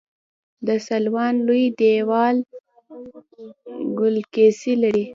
د سلوان لوی دیوال ګلکسي لري.